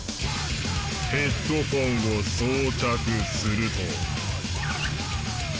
ヘッドフォンを装着すると。